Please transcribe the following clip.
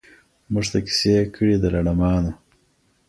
موږ ته کیسې کړي د لړمانو